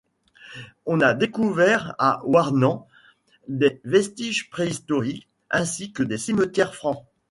On a découvert à Warnant des vestiges préhistoriques ainsi que des cimetières francs.